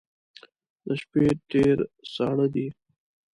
د شپې ډیر ساړه دی